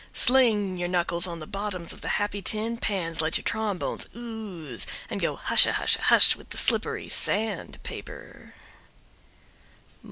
Sling your knuckles on the bottoms of the happy tin pans, let your trombones ooze, and go hushahusha hush with the slippery sand paper.